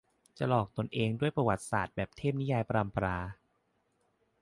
จะหลอกตนเองด้วยประวัติศาสตร์แบบเทพนิยายปรัมปรา